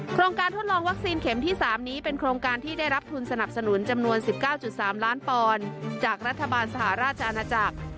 โครงการทดลองวัคซีนเข็มที่๓นี้เป็นโครงการที่ได้รับทุนสนับสนุนจำนวน๑๙๓ล้านปอนด์จากรัฐบาลสหราชอาณาจักร